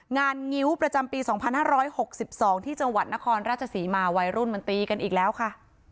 งานงิ้วประจำปีสองพันห้าร้อยหกสิบสองที่จังหวัดนครราชศรีมาวัยรุ่นมันตีกันอีกแล้วค่ะ